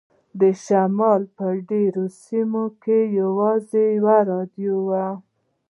د شمال په ډیرو سیمو کې یوازې یوه راډیو وي